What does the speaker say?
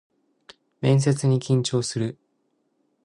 面接に緊張する